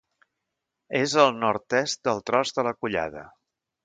És al nord-est del Tros de la Collada.